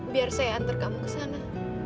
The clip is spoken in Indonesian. biar saya antar kamu ke sana